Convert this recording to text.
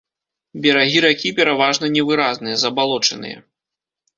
Берагі ракі пераважна невыразныя, забалочаныя.